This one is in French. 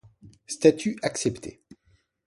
Statut accepté.